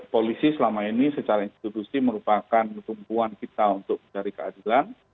polisi selama ini secara institusi merupakan tumpuan kita untuk mencari keadilan